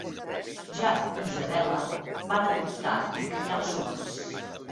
Jack i Isabella van "adoptar" i van criar els nois.